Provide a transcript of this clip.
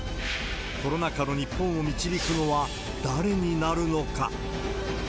コロナ禍の日本を導くのは誰になるのか。